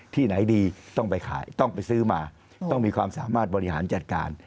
ที่ไหนดีต้องไปขายต้องไปซื้อมาต้องมีความสามารถบริหารจัดการ